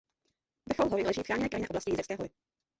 Vrchol hory leží v Chráněné krajinné oblasti Jizerské hory.